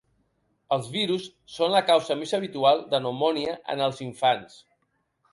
Els virus són la causa més habitual de pneumònia en els infants.